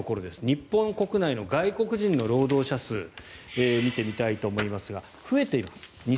日本国内の外国人の労働者数を見てみたいと思いますが増えています。